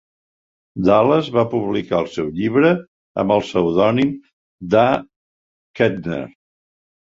Dallas va publicar el seu llibre amb el pseudònim d'A. Kettner.